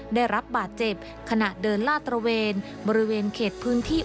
ได้รับบาดเจ็บขณะเดินลาดตระเวนบริเวณเขตพื้นที่